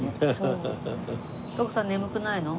徳さん眠くないの？